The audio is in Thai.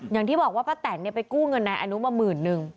อย่างที่บอกว่าป้าแตนไปกู้เงินนายอนุมาหมื่นนึง